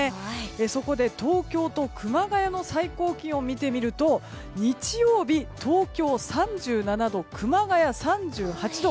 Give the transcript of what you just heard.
そこで東京と熊谷の最高気温を見てみると日曜日、東京３７度熊谷３８度。